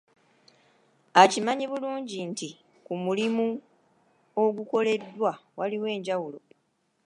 Akimanyi bulungi nti ku mulimu ogukoleddwa waliwo enjawulo.